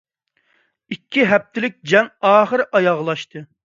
ئىككى ھەپتىلىك جەڭ ئاخىرى ئاياغلاشتى.